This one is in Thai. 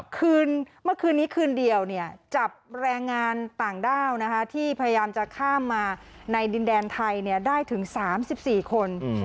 เมื่อคืนนี้คืนเดียวจับแรงงานต่างด้าวที่พยายามจะข้ามมาในดินแดนไทยได้ถึง๓๔คน